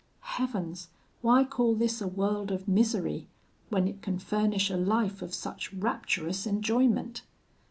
Heavens! why call this a world of misery, when it can furnish a life of such rapturous enjoyment?